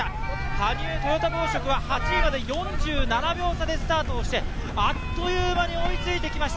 羽生は８位まで４７秒差でスタートをして、あっという間に追いついてきました。